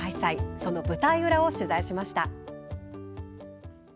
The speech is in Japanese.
その舞台裏を取材しました。